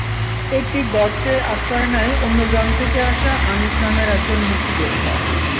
একটি গর্তে আশ্রয় নেয় অন্য গ্রাম থেকে আসা আনিস নামের একজন মুক্তিযোদ্ধা।